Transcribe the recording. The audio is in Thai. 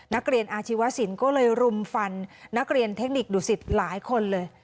นักเรียนอาชีวสินก็เลยรุมฟันนักเรียนเทคนิคดุสิตหลายคนเลย